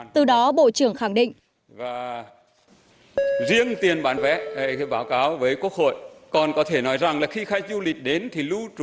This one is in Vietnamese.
từ đó bộ trưởng khẳng định